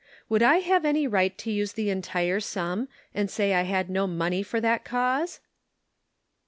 Would I have any right to use the entire sum and say I had no money for that cause."